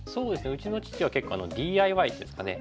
うちの父は結構ＤＩＹですかね。